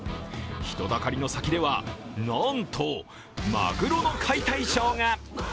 人だかりの先では、なんとマグロの解体ショーが。